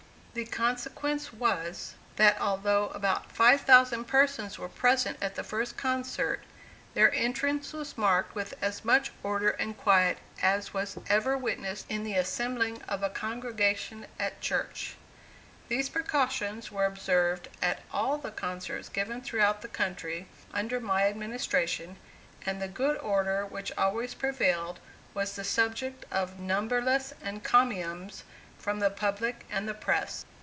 The consequence was, that although about five thousand persons were present at the first concert, their entrance was marked with as much order and quiet as was ever witnessed in the assembling of a congregation at church. These precautions were observed at all the concerts given throughout the country under my administration, and the good order which always prevailed was the subject of numberless encomiums from the public and the press.